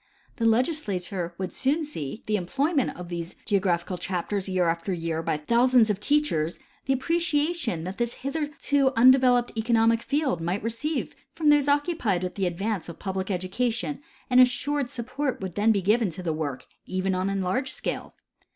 The legislature would soon see, from the employment of these geographical chapters year after year by thousands of teachers, the appreciation that tliis hitherto undeveloped economic field might receive from those occupied with the advance of public education, and as sured support would then be given to the work, even on enlarged scale.